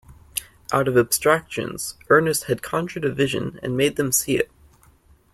Out of abstractions Ernest had conjured a vision and made them see it.